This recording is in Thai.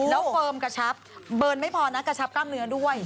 แล้วเฟิร์มกระชับเบิร์นไม่พอนะกระชับกล้ามเนื้อด้วย